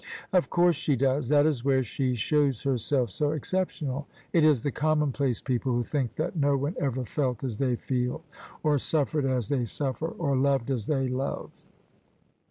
" Of course she does : that is where she shows herself so exceptional. It is the commonplace people who think that no one ever felt as they feel, or suffered as they suffer, or loved as they love.